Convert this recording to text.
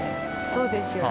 そうですよね。